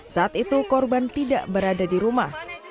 saat itu korban tidak berada di rumah